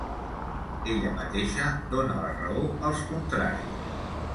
Ella mateixa dóna la raó als contraris.